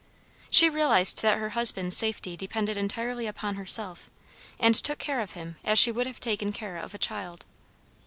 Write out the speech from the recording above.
She realized that her husband's safety depended entirely upon herself, and took care of him as she would have taken care of a child.